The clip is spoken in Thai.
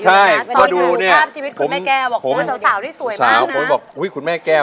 ใช่เพราะดูเนี่ยต้องถ่ายถูกภาพชีวิตคุณแม่แก้ว